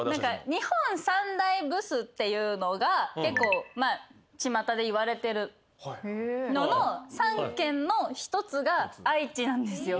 日本三大ブスっていうのが結構ちまたでいわれてるのの３県の１つが愛知なんですよ。